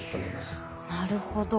なるほど。